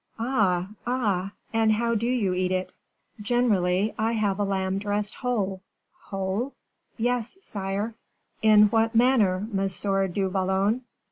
"Ah, ah! and how do you eat it?" "Generally, I have a lamb dressed whole." "Whole?" "Yes, sire." "In what manner, Monsieur du Vallon?"